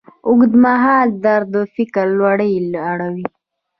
اوږدمهاله درد د فکر لوری اړوي.